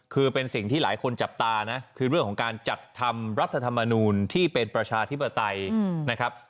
คือเป็นสิ่งที่หลายคนจับตานะคือเรื่องของการจัดทำรัฐธรรมนูลที่เป็นประชาธิปไตยนะครับ